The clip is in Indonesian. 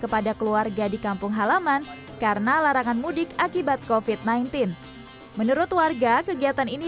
kepada keluarga di kampung halaman karena larangan mudik akibat kofit sembilan belas menurut warga kegiatan ini